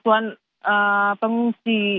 sebagai sebuah kebutuhan pengungsi